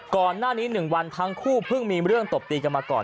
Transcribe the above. ก่อนหน้านี้๑วันทั้งคู่เพิ่งมีเรื่องตบตีกันมาก่อน